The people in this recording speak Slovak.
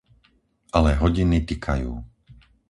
Ale hodiny tikajú.